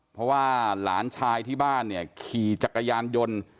เพราะว่าหลานชายที่บ้านเนี่ยขี่จักรยานยนต์